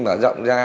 mở rộng ra